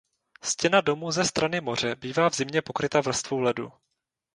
Stěna domu ze strany moře bývá v zimě pokryta vrstvou ledu.